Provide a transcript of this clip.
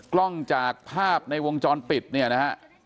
กล้องจากภาพในวงจรปิดเนี่ยนะฮะ